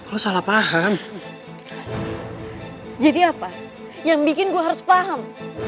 lo salah paham jadi apa yang bikin gue harus paham